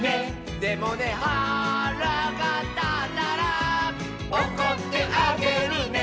「でもねはらがたったら」「おこってあげるね」